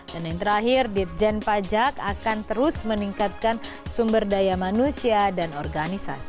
dan yang terakhir date gen pajak akan terus meningkatkan sumber daya manusia dan organisasi